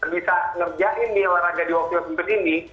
bisa ngerjain di olahraga di waktu yang sempit ini